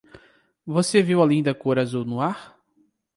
Você viu a linda cor azul no ar?